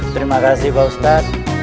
terima kasih pak ustadz